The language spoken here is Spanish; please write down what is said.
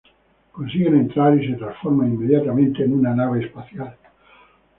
Consiguen entrar, y se transforma inmediatamente en una nave espacial.